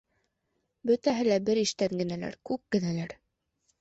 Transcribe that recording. Бөтәһе лә бер иштән генәләр: күк кенәләр.